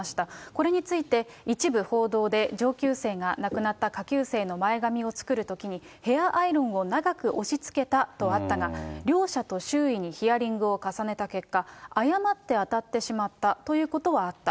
これについて、一部報道で上級生が亡くなった下級生の前髪を作るときに、ヘアアイロンを長く押しつけたとあったが、両者と周囲にヒアリングを重ねた結果、誤って当たってしまったということはあった。